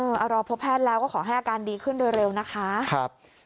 เอารอพบแพทย์แล้วก็ขอให้อาการดีขึ้นโดยเร็วนะคะครับ